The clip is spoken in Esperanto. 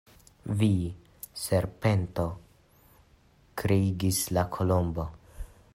"Vi serpento!" kriegis la Kolombo.